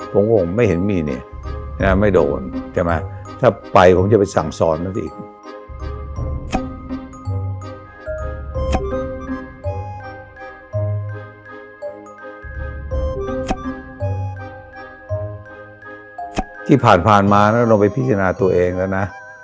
ผมไม่เห็นมีนี่ไม่โดนถ้าไปผมจะไปสั่งซ้อน